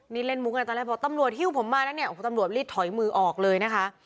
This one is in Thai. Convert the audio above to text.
นี่เล่นมุกกันตอนแรกบอกตำรวจหิ้วผมมาแล้วเนี่ยโอ้โหตำรวจรีบถอยมือออกเลยนะคะ